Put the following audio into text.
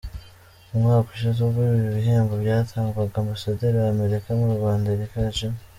Umwaka ushize ubwo ibi bihembo byatangwaga, Ambasaderi wa Amerika mu Rwanda, Erica J.